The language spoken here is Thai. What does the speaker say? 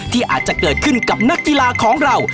ที่อาจจะเกิดขึ้นกับนักกีฬาของเรา